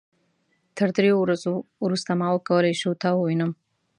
تر دریو ورځو وروسته ما وکولای شو تا ووينم.